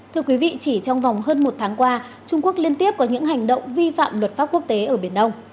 thưa quý vị chỉ trong vòng hơn một tháng qua trung quốc liên tiếp có những hành động vi phạm luật pháp quốc tế ở biển đông